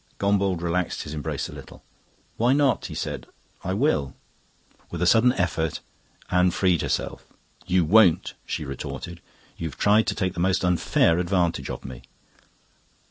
Gombauld relaxed his embrace a little. "Why not?" he said. "I will." With a sudden effort Anne freed herself. "You won't," she retorted. "You've tried to take the most unfair advantage of me."